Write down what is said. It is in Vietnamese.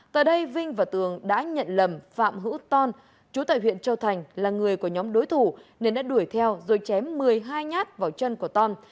tại đây vinh và tường đã nhận lầm phạm hữu ton chú tại huyện châu thành là người của nhóm đối thủ nên đã đuổi theo rồi chém một mươi hai nhát vào chân của ton